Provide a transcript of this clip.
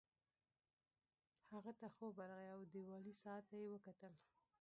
هغه ته خوب ورغی او دیوالي ساعت ته یې وکتل